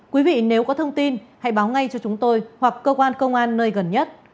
quý vị nếu có thông tin hãy báo ngay cho chúng tôi hoặc cơ quan công an nơi gần nhất